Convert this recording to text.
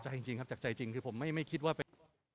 จริงครับจากใจจริงคือผมไม่คิดว่าเป็น